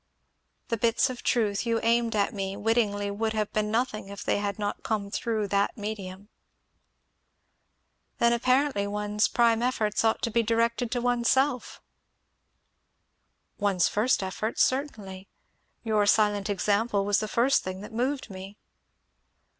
The bits of truth you aimed at me wittingly would have been nothing if they had not come through that medium." "Then apparently one's prime efforts ought to be directed to oneself." "One's first efforts, certainly. Your silent example was the first thing that moved me."